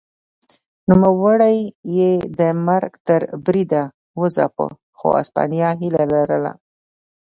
نوموړی یې د مرګ تر بریده وځپه خو هسپانیا هیله لرله.